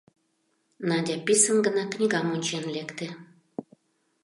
Надя писын гына книгам ончен лекте.